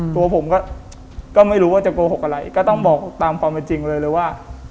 ตัวผมก็ไม่รู้ว่าจะโกหกอะไรก็ต้องบอกตามความเป็นจริงเลยว่า